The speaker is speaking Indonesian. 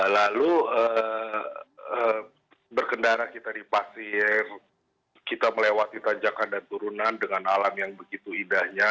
lalu berkendara kita di pasir kita melewati tanjakan dan turunan dengan alam yang begitu indahnya